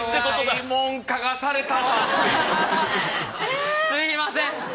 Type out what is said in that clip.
すみません。